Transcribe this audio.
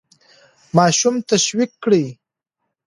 ماشوم تشویق کړئ.